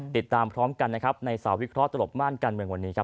เดี๋ยวตามพร้อมกันในสาววิเคราะห์ตลกม่านกันเมื่อวันนี้ครับ